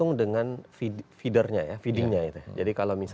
b pecandaan jelas